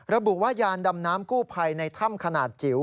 ระบุว่ายานดำน้ำกู้ภัยในถ้ำขนาดจิ๋ว